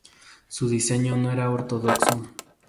Su diseño no era ortodoxo.